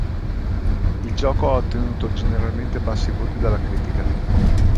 Il gioco ha ottenuto generalmente bassi voti dalla critica.